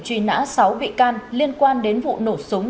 truy nã sáu bị can liên quan đến vụ nổ súng